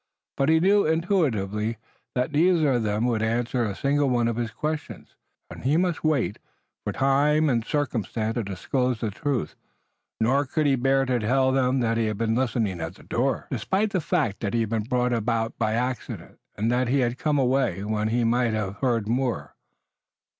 But he knew intuitively that neither of them would answer a single one of his questions, and he must wait for time and circumstance to disclose the truth. Nor could he bear to tell them that he had been listening at the door, despite the fact that it had been brought about by accident, and that he had come away, when he might have heard more.